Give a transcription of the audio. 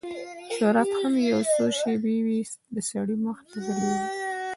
شهرت هم یو څو شېبې وي د سړي مخ ته ځلیږي